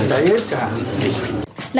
cháy hết cả